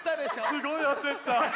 すごいあせった！